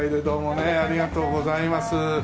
どうもねありがとうございます。